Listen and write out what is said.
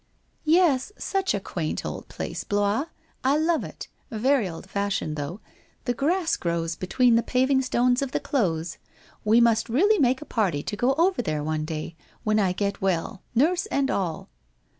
• Yes, such a quaint old place, Blois. I love it. Very old fashioned though. The grass grows between the pav ing stones of the close. We must really make a party to go over there one day — when I get well, nurse and all